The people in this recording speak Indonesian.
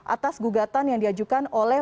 atas gugatan yang diajukan oleh